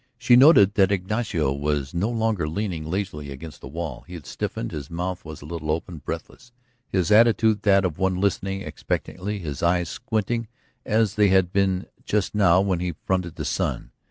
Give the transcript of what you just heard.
She noted that Ignacio was no longer leaning lazily against the wall; he had stiffened, his mouth was a little open, breathless, his attitude that of one listening expectantly, his eyes squinting as they had been just now when he fronted the sun.